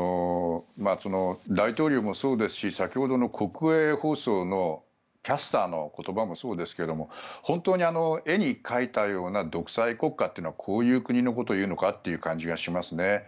大統領もそうですし先ほどの国営放送のキャスターの言葉もそうですが本当に絵に描いたような独裁国家というのはこういう国のことを言うのかっていう感じがしますね。